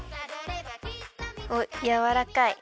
おっやわらかい。